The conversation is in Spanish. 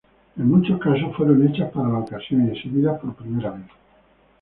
En muchos casos fueron hechas para la ocasión y exhibidas por primera vez.